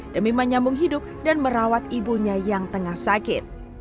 demi menyambung hidup dan merawat ibunya yang tengah sakit